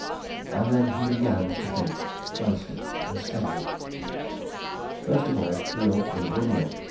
And then he began to think, closely and steadily. First of all, the will was a good will.